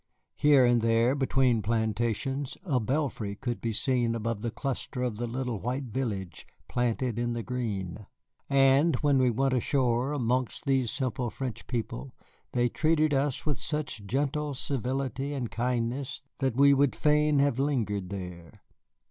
Here and there, between plantations, a belfry could be seen above the cluster of the little white village planted in the green; and when we went ashore amongst these simple French people they treated us with such gentle civility and kindness that we would fain have lingered there.